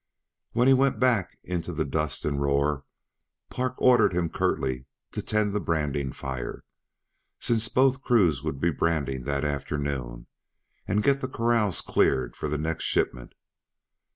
When he went back into the dust and roar, Park ordered him curtly to tend the branding fire, since both crews would brand that afternoon and get the corrals cleared for the next shipment.